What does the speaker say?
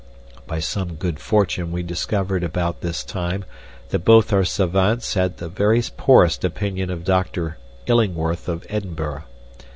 By some good fortune we discovered about this time that both our savants had the very poorest opinion of Dr. Illingworth of Edinburgh.